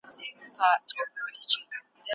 ټولنه د ژوند په څېر ده.